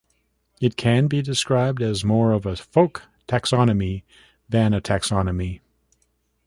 It can be described as more of a folk taxonomy than a taxonomy.